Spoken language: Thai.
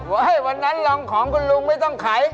เออว่าวันนั้นลองของคุณลุงไม่ต้องไข